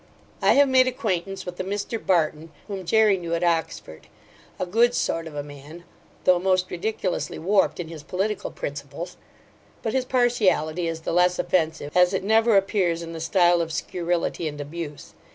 I have made acquaintance with a Mr Barton, whom Jery knew at Oxford; a good sort of a man, though most ridiculously warped in his political principles; but his partiality is the less offensive, as it never appears in the stile of scurrility and abuse.